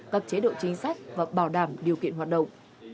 các chế độ chính sách và bảo đảm điều kiện hoạt động